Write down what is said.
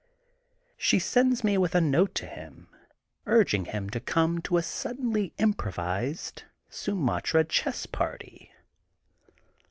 She sends me with a note to him, urging him to come to a suddenly improvised Sumatra chess party.